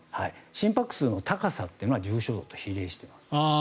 心拍数の高さというのは重症度と比例しています。